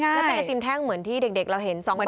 ไปไอตีมแท่งเหมือนที่เด็กเราเห็น๒บาท